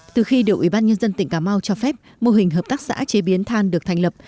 từ khi điều ủy ban nhân dân tỉnh cà mau cho phép mô hình hợp tác xã chế biến than được thành lập